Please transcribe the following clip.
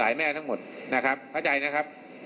สายแม่ทั้งหมดนะครับพระใจนะครับ